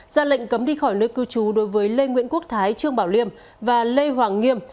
ra lệnh cấm đi khỏi nơi cư trú đối với lê nguyễn quốc thái trương bảo liêm và lê hoàng nghiêm